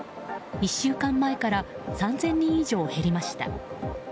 １週間前から３０００人以上減りました。